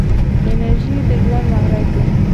انرژي د ژوند محرک دی.